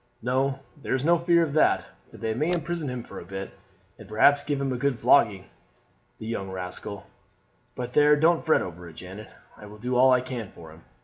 "No, there's no fear of that; but they may imprison him for a bit, and perhaps give him a good flogging the young rascal. But there, don't fret over it, Janet. I will do all I can for him.